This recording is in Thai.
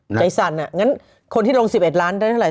ใจสั่นอ่ะงั้นคนที่ลง๑๑ล้านได้เท่าไห